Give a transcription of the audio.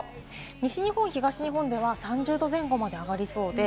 西日本、東日本では３０℃前後まで上がりそうです。